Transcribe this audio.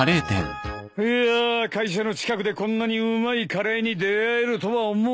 いや会社の近くでこんなにうまいカレーに出合えるとは思わなかった。